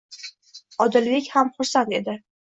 Odilbek ham xursand edi.